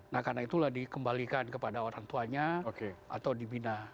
nah karena itulah dikembalikan kepada orang tuanya atau dibina